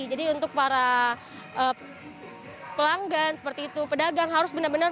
jadi untuk para pelanggan seperti itu pedagang harus benar benar